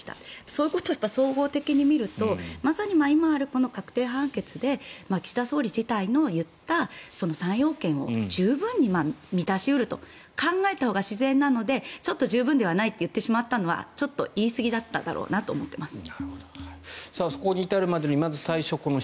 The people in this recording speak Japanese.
そういうことを総合的に見るとまさに今ある確定判決で岸田総理自体の言った３要件を十分に満たし得ると考えたほうが自然なのでちょっと十分ではないと言ってしまったのはちょっと言いすぎだっただろうなと思っています。